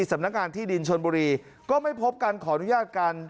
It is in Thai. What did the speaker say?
สำนักงานที่ดินชนบุรีก็ไม่พบการขออนุญาตกัน